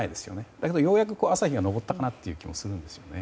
だけどようやく朝日が昇ったかなという気がするんですね。